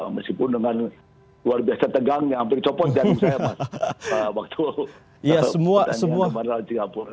meskipun dengan luar biasa tegang yang hampir copot jatuh saya